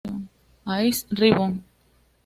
Ice Ribbon